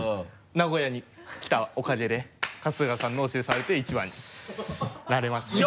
名古屋に来たおかげで春日さんのお尻触れて一番になれましたね